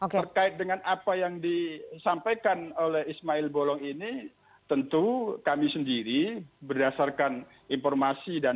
terkait dengan apa yang disampaikan oleh ismail bohlung ini tentu kami sendiri berdasarkan informasi yang kita dapatkan